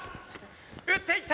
打っていった！